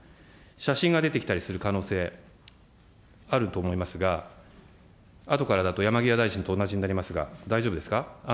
写真が出てきたりする可能性あると思いますが、あとからだと山際大臣と同じになりますが、大丈夫ですか。